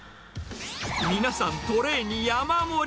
皆さん、トレーに山盛り。